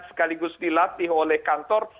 sekaligus dilatih oleh kantor